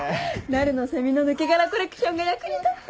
なるのセミの抜け殻コレクションが役に立った。